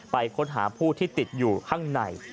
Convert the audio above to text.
ไปค้นหาผู้ที่ติดอยู่ข้างใน